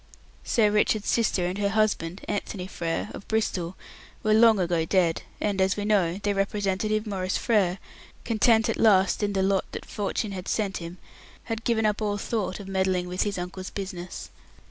Sir Richard's sister and her husband, Anthony Frere, of Bristol, were long ago dead, and, as we know, their representative, Maurice Frere, content at last in the lot that fortune had sent him, had given up all thought of meddling with his uncle's business.